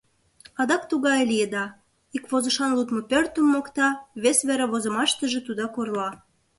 Адак тугае лиеда: ик возышан лудмо пӧртым мокта, вес вере возымаштыже тудак орла.